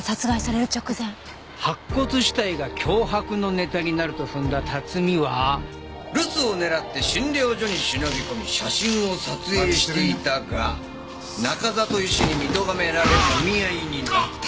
白骨死体が脅迫のネタになると踏んだ辰巳は留守を狙って診療所に忍び込み写真を撮影していたが中里医師に見とがめられもみ合いになった。